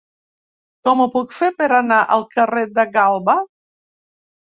Com ho puc fer per anar al carrer de Galba?